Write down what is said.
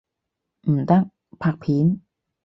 唔得，拍片！